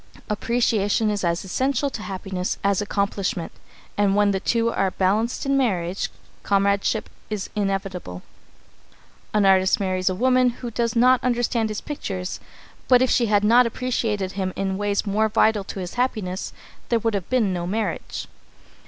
Appreciation is as essential to happiness as accomplishment, and when the two are balanced in marriage, comradeship is inevitable. An artist may marry a woman who does not understand his pictures, but if she had not appreciated him in ways more vital to his happiness, there would have been no marriage.